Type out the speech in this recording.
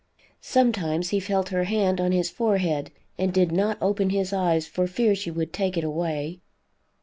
Sometimes he felt her hand on his forehead, and did not open his eyes for fear she would take it away.